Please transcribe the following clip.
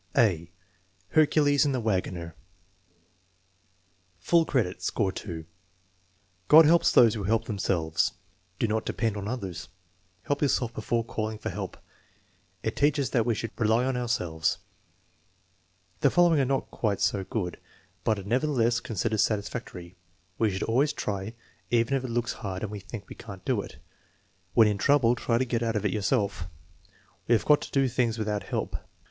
(a) Hercules and the Wagoner Full credit; score #. "God helps those who help themselves/* "Do not depend on others." "Help yourself before calling for help." "It teaches that we should rely upon ourselves." The following are not quite so good, but are nevertheless con sidered satisfactory: "We should always try, even if it looks hard and we think we can't do it." "When in trouble try to get out of it yourself." "We've got to do things without help."